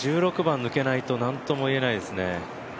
１６番抜けないと何とも言えないですね。